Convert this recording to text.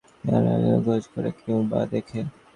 হরিহর বিদেশেকেই বা খোজ করে, কেই বা দেখে।